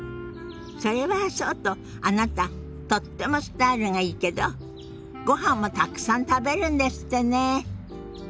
それはそうとあなたとってもスタイルがいいけどごはんもたくさん食べるんですってね。